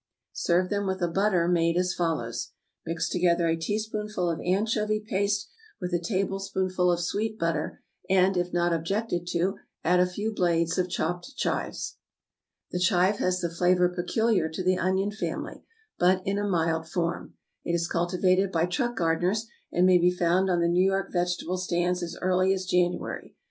Serve them with a butter made as follows: Mix together a teaspoonful of anchovy paste with a tablespoonful of sweet butter, and, if not objected to, add a few blades of chopped chives. The chive has the flavor peculiar to the onion family, but in a mild form. It is cultivated by truck gardeners, and may be found on the New York vegetable stands as early as January.